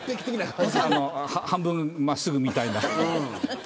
半分真っすぐみたいな。